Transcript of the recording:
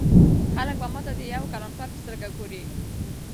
خلک به ما ته د یو کلانکار په سترګه ګوري.